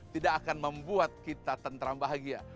tidak akan membuat kita tentram bahagia